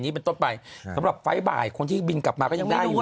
เป็นต้นไปสำหรับไฟล์บ่ายคนที่บินกลับมาก็ยังได้อยู่